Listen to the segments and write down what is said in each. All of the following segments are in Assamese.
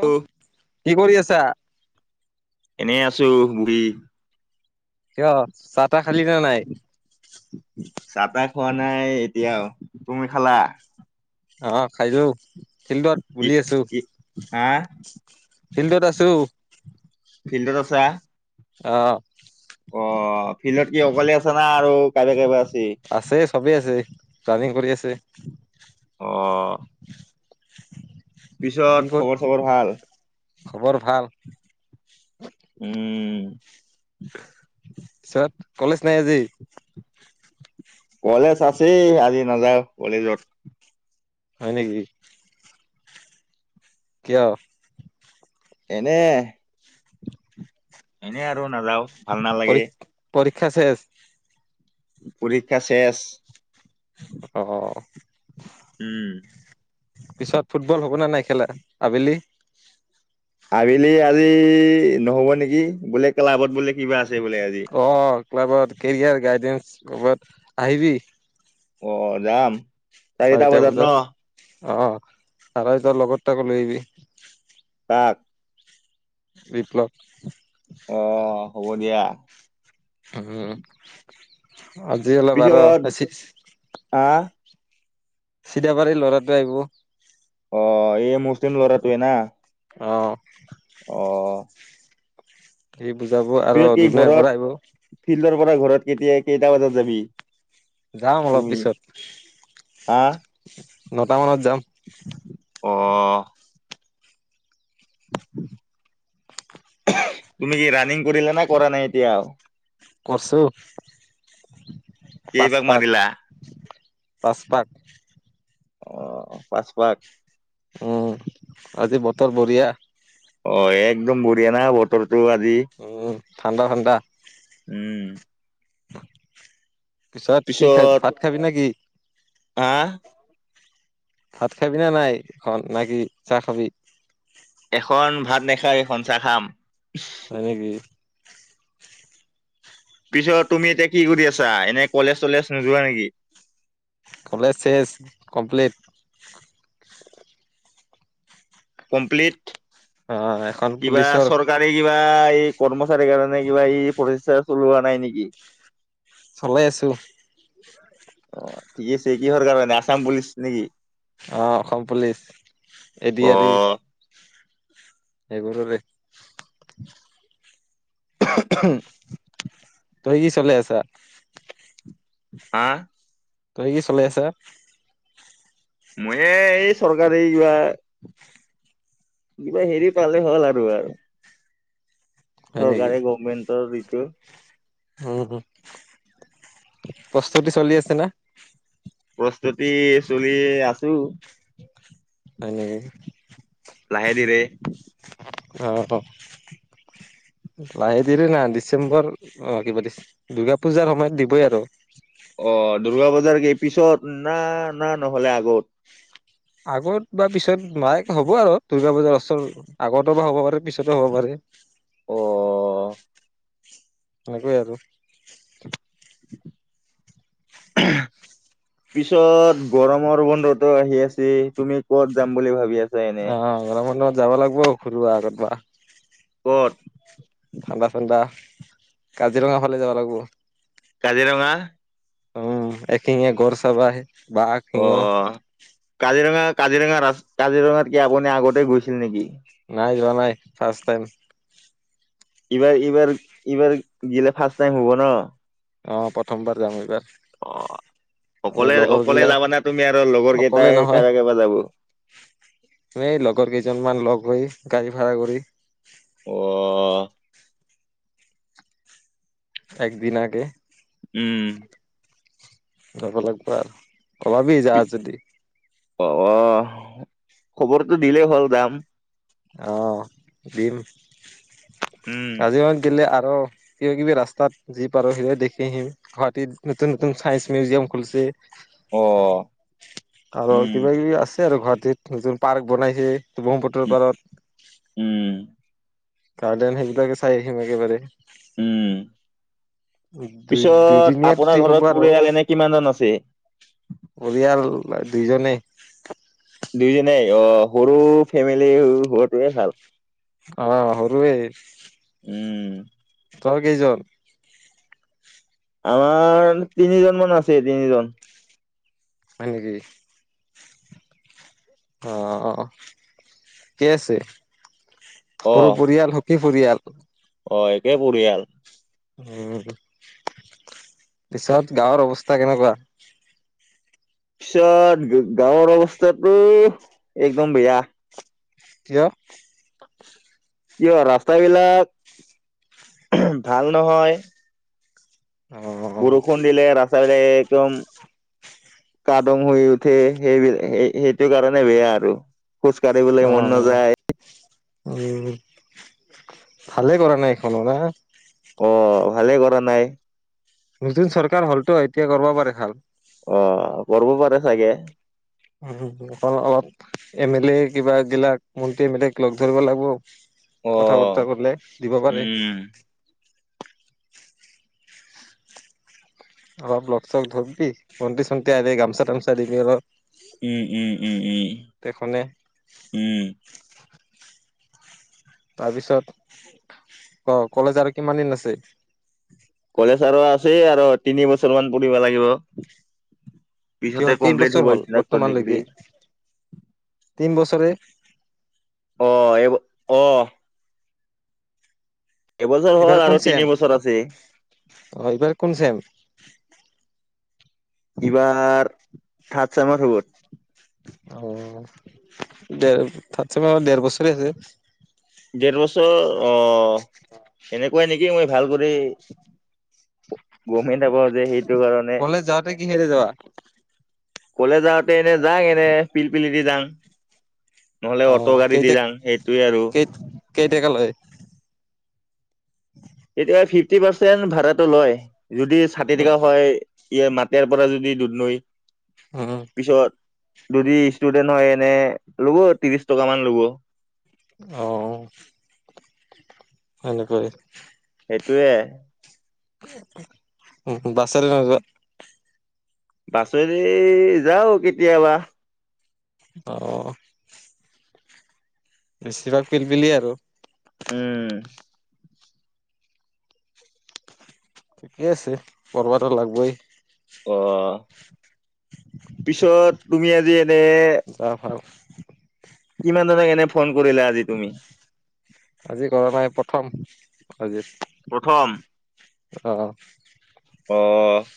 অ', কি কৰি আছা? এনেই আছোঁ, বোহি। কিয়? চাহ, তাহ খালিনে নাই? চাহ, তাহ খোৱা নাই এতিয়া, তুমি খালা? অ', খাইছোঁ। ফিল্ডত কি বুলি আছোঁ, কি হা ফিল্ডত আছোঁ। ফিল্ডত আছা? অ'। অ', ফিল্ডত কি অকলে আছানা? আৰু কাবা কিবি আছি? আছে চবেই আছে, প্লানিং কৰি আছে। অ' পিছত কি ক'ত, খবৰ চবৰ ভাল খবৰ ভাল? উম ছত ক'লেজ নাই আজি? ক'লেজ আছেই আজি নাযাওঁ কলেজত। হয়, নেকি? কিয়? এনে। এনেই আৰু নাযাওঁ, ভাল পৰী নালাগে। পৰীক্ষা শেষ? পৰীক্ষা শেষ। অ'। উম। পিছত ফুটবল হ'বনে নাই খেলা আবেলি? আবেলি আজি নহ'ব নেকি, বোলে ক্লাবত বোলে কিবা আছে বোলে আজি। অ', ক্লাবত কেৰিয়াৰ, গাইডেন্ঞ্চ ক'ৰবাত আহিবি। অ', যাম। চাৰিটা বজাত অ', [unintelligible] লগত তাকো লৈ আহিবি। কাক? বিপ্লৱ। অ', হ'ব দিয়া। উম, আজি অলপ আৰু এ চি আ [unintelligible] বাৰে ল'ৰাটো আহিব। অ', এই মুছলিম ল'ৰাটোৱে না? অ' অ'। সি বুজাব আৰু পিছত কি দুধনৈৰ ঘৰত পৰা আহিব। ফিল্ডৰ পৰা ঘৰত কেতিয়া কেইটা বজাত যাবি? যাম অলপ তুমি পিছত। হা? নটা মানত যাম। অ তুমি কি ৰাণিং কৰিলা নে কৰা নাই এতিয়াও? কৰছো। পাঁচ কেইপাক পাক মাৰিলা, পাঁচ পাক অ হ পাঁচ পাক। উম আজি বতৰ বঢ়িয়া। অ একদম বঢ়িয়া না বতৰটো আজি উম, ঠাণ্ডা ঠাণ্ডা উম। পিছত কি খা ভাত খাবি না কি? হা? ভাত খাবি না নাই এখন না কি চাহ খাবি? এখন ভাত নাখায় এখন চাহ খাম। হয় নেকি? পিছত তুমি এতিয়া কি কৰি আছা এনে কলেজ চলেজ নোযোৱা নেকি? কলেজ চেজ কমপ্লিট। কমপ্লিট। অ এখন পুলিচৰ। চৰকাৰী কিবা এই কৰ্মচাৰীৰ কাৰণে কিবা এই প্ৰচেষ্টা চলোৱা নাই নেকি? চলাই আছো। অ ঠিক আছে কিহৰ কাৰণে আছাম পুলিচ নেকি? অ Assam police A D R E. অ' সেইবোৰৰে। উম [unintelligible] তুমি কি চলাই আছা? হা? তই কি চলাই আছা? মইে এই চৰকাৰি কিবা। কিবা হেৰি পালে হ'ল আৰু আৰু। হয় নেকি চৰকাৰী গভমেণ্টৰ ঋতু। উম উ, প্ৰস্তুতি চলি আছে না? প্ৰস্তুতি চলি আছোঁ। হয় নেকি? লাহে ধিৰে। অ অ। লাহে ধিৰে না ডিচেম্বৰ অ দিব দিছে। কিবা দুৰ্গা পূজাৰ সময়ত দিবই আৰু। অ' দূৰ্গা পূজাৰ কি পিছত না না নহলে আগত। আগত বা পিছত নাই হ'ব আৰু দুৰ্গা পূজাৰ ওৰত আগতে বা হ'ব পাৰে, পিছতো হ'ব পাৰে। অ' সেনেকুৱা আৰু। পিছত গৰমৰ বন্ধতো আহি আছে, তুমি ক'ত যাম বুলি ভাবিছা? অ' গৰম বন্ধত যাব লাগব ফুৰিব। আৰু কোৱা? ক'ত? ঠাণ্ডা ঠাণ্ডা কাজিৰঙা ফালে যাব লাগব। কাজিৰঙা উম একখিঙিয়া গড় চাব আহে বাঘ, অ সিংহ কাজিৰঙা কাজিৰঙা ৰা কাজিৰঙাত কি আপুনি আগতে গৈছিল নেকি? নাই যোৱা নাই ফাৰ্ষ টাইম। এইবাৰ এইবাৰ এইবাৰ গিলে ফাৰ্ষ্ট টাইম হ'ব ন, অ প্ৰথমবাৰ যাম এইবাৰ। অ' আমি অকলে লগৰ অকলে গিলা যাবানে তুমি আৰু লগৰ অকলে কেইটাই নহয় কাৰব কাৰবা যাব। এই লগৰ কেইজনমান লগ হৈ গাড়ী ভাড়া কৰি, অ একদিন আগে। উম যাব লাগিব আৰু উলাবি যা যদি। অ অ খবৰটো দিলেই হ'ল যাম। অ দিম উম কাজিৰঙা গিলে আৰু কিবা কিবি ৰাস্তাত যি পাৰোঁ সেই দেখি আহিম গুৱাহাটীত নতুন নতুন চাইন্ঞ্চ মিউজিয়াম খুলছে। অ আৰু উম কিবা কিবি আছে আৰু গুৱাহাটীত নতুন পাৰ্ক বনাইছে উ ব্ৰহ্মপুত্ৰৰ পাৰত। উম গাৰ্ডেন সেইবিলাকে চাই আহিম একেবাৰে। উম দুই পিছত দুদিনীয়া আপোনাৰ ট্ৰিপ হ'ব ঘৰত আৰু পৰিয়াল এনে কিমান জন আছে। পৰিয়াল দুইজনেই। দুইজনাই অ সৰু ফেমিলি হোৱাটোৱে ভাল। অ সৰুৱে উম তোৰ কেইজন। আমাৰ তিনিজন মান আছে তিনিজন। হয়নেকি। অ ঠিকেই আছে সৰু অ', পৰিয়াল- সুখী পৰিয়াল। অ একে বঢ়িয়া। উ পিছত গাঁৱৰ অৱস্থা কেনেকুৱা। পিছত গাঁৱৰ অৱস্থাতো একদম বেয়া। কিয়। কিয় ৰাস্তাবিলাক ভাল নহয়। অ বৰষুণ দিলে ৰাস্তা বিলাক একদম, কাদং হৈ উঠে সেইবিলাক স সেইটো কাৰণে বেয়া আৰু খোজ কাঢ়িবলৈ অ মন নাযায় উ ভালে কৰা নাই এইখনো না। অ ভালে কৰা নাই। নতুন চৰকাৰ হ'লতো এতিয়া কৰিব পাৰে ভাল। অ কৰিব পাৰে চাগে। উ অ অ এম এল এ কিবা গিলাক মন্ত্ৰী এম লেক লগ ধৰিব লাগিব। কথা অ', বতৰা কৰিলে দিব পাৰে। উম, অলপ লগ চ ধৰিবি ভন্তি চন্তি আনি গামোচা তামোচা দিবি অলপ, উম উম উম উম, তেখনে, উম, তাৰপিছত অ কলেজ আৰু কিমান দিন আছে কলেজ আৰু আছে আৰু তিনি বছৰ মান পঢ়িব লাগিব কিয় পিছতে কমপ্লিট কেইবছৰ হব হ'ল স্নাতক ডিগ্ৰী বৰ্তমানলৈকে তিন বছৰে অ এইব অ এবছৰ এইবাৰ হ'ল কোন আৰু তিনি চেম বছৰ আছে অ এইবাৰ কোন চেম এইবাৰ থ্ৰাড চেমৰ হ'ব অ ঢেৰ থ্ৰাড চেমৰ ঢেৰ বছৰে আছে ডেৰ বছৰ অ এনেকুৱাই নিকি মই ভাল কৰি গমেই নাপাওঁ যে সেইটো কাৰণে কলেজ যাওঁতে কিহেৰে যাৱা কলেজ যাওঁতে এনে যাং এনে পিলপিলি দি যাং নহলে অ অটো গাড়ী দি যাং সেইটোৱে আৰু কে টেকা লয় কেতিয়াবা ফিফটি পাৰ্চেন্ট ভাড়াটো লয় যদি ষাঠি উম টকা হয় ইয়ে মাটেৰ পৰা যদি দুধ নৈ অ পিছত যদি ষ্টুডেন্ট হয় এনে ল'ব ত্ৰিশ টকা মান ল'ব অ সেনেকৈয় সেইটোয়ে বাছল নহব বাছে দি যাও কেতিয়াবা অ বেছিভাগ পিলপিলি আৰু উম ঠিকে আছে পঢ়বা ত লাগবই অ পিছত তুমি আজি এনে অ হয় কিমান জনক এনে ফ'ন কৰিলা আজি তুমি? আজি ঘৰৰ পৰা এ প্ৰথম আজি। প্ৰথম। অ' অ'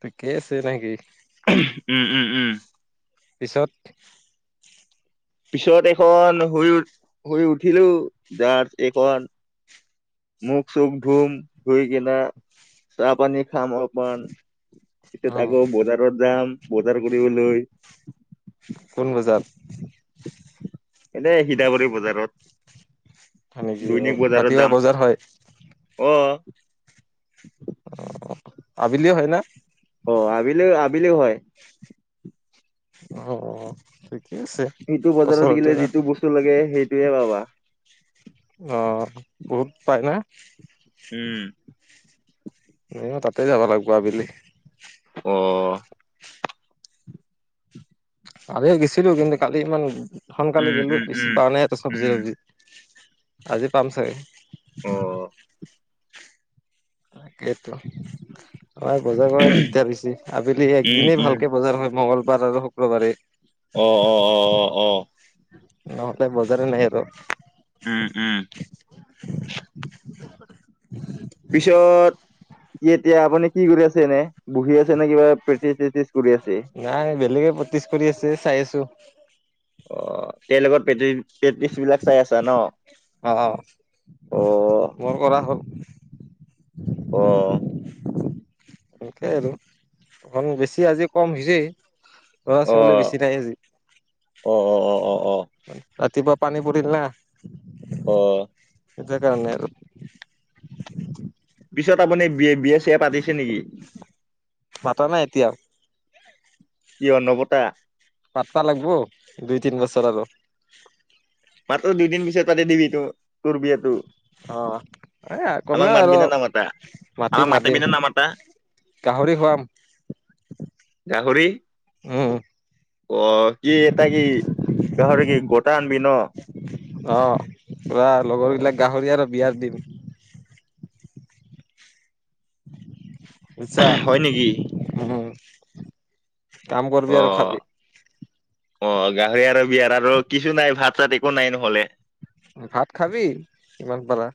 ঠিকে আছে নে কি? উম, উম, উম। পিছত পিছত এইখন শুই, শুই উঠিলো, যাচ এইখন মুখ-চুখ ধুম, ধুই কিনা, চাহ পানী খাম অলপমান। পিছত অ', আকৌ বজাৰত যাম, বজাৰ কৰিবলৈ। কোন বজাৰ? এনে সীতাবৰী বজাৰত, হয় নেকি অ', দৈনিক বজাৰত ৰাতিপুৱা যাম। বজাৰ হয় অ' আবেলি হয় না? অ আবেলি আবেলিও হয়। অ' ঠিকেই আছে, সিটো বজাৰত গেলে ওচৰতে না। বস্তু যিটো লাগে, সেইটোৱে পাবা। অঁ, বহুত পাই না? উম। মইয়ো তাতে যাব লাগিব আবেলি। অ'। কালি গেছিলো, কিন্তু কালি ইমান সোনকালে উম গ'লো, বেছি উম পোৱা নাই আৰু চব্জি উম তবজি, আজি পাম চাগে। উম তাকেটো। হয়, বজাৰ কৰা অ দিগদাৰ হৈছে, আবেলি উম, একদিনেই উম, ভালকে বজাৰ হয়, মংগলবাৰ আৰু শুক্ৰবাৰেই। অ, অ, অ'। অ', নহ'লে বজাৰে নাই আৰু। উম, উম। পিছত, কি এতিয়া আপুনি কি কৰি আছে এনে বহি আছে নে কিবা প্ৰেক্টিছ চেক্টিছ কৰি আছে? নাই, বেলেগে প্ৰেক্টিচ কৰি আছে, চাই আছো। অ', তেওঁৰ লগত প্ৰেকটি, প্ৰেক্টিচ বিলাক চাই আছা ন'। অ', অ', মোৰ কৰা হ'ল। অ'। সনেকে আৰু, ঘন বেছি আজি কম হৈছে। ল'ৰা, ছোৱালী অ', বেছি নাই আজি। অ, অ, অ'। অ', অ', ৰাতিপুৱা পানী পৰিল না। অ'। সেইটো কাৰণে আৰু। পিছত আপুনি বিয়া চিয়া পাতিছে নেকি? পাতা নাই এতিয়াও। কিয় নাপাতা? পাতিব লাগিব, দুই তিন বছৰ আৰু। মাত্ৰ দুইদিন পিছত পাতি দিবি, তোৰ বিয়াটো। অ এ, আমাক কমে মাতবি আৰু নে নামাতা? আমাক মাতিম, মাতিবি মাতিম। নে নামাতা? গাহৰি খুৱাম। গাহৰি উম অ', কি এটা কি, গাহৰি কি, গোটা আনবি ন'? অ', পুৰা লগৰ অ', বিলাক গাহৰি আৰু বিয়াত দিম। বুইছা? হয় নেকি? উম। কাম কৰিবি অ। আৰু খাবি অ', গাহৰি আৰু বিয়াৰ আৰু, কিছু নাই ভাত চাত একো নাই, নহলে। ভাত খাবি, যিমান পাৰা।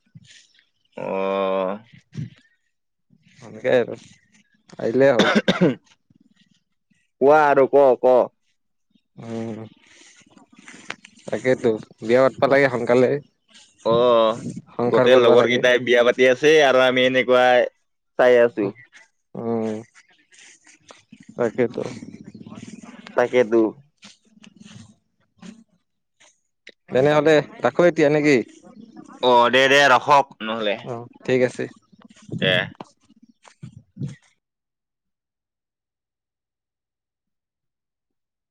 অ সনেকে আৰু, আহিলে হ'ল। কোৱা আৰু, ক' ক'। উম তাকেইেতো, বিয়া পাতব লাগে সোনকালে। অহ সংসাৰ গোটেই কৰবা লগৰ লাগে কেইটাই বিয়া পাতি আছে, আৰু আমি এনেকুৱাই। চাই আছো উম, তাকেইেতো। তাকেইতো। তেনেহলে, ৰাখোঁ এতিয়া, নে কি?। অ', দে দে ৰখক। ওম ঠিক আছে। দে।